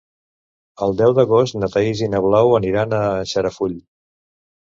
El deu d'agost na Thaís i na Blau aniran a Xarafull.